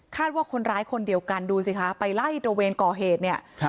ว่าคนร้ายคนเดียวกันดูสิคะไปไล่ตระเวนก่อเหตุเนี่ย